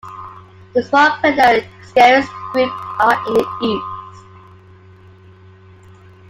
The small Pentland Skerries group are in the east.